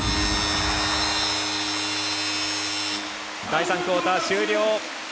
第３クオーター終了。